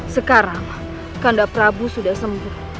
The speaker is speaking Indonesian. sekarang kandap prabu sudah sembuh